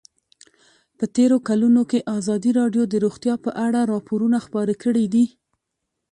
په تېرو کلونو کې ازادي راډیو د روغتیا په اړه راپورونه خپاره کړي دي.